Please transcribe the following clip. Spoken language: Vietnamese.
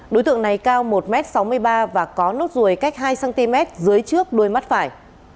đối tượng này cao một m sáu mươi ba và có nốt ruồi cách hai cm dưới trước đuôi mắt phải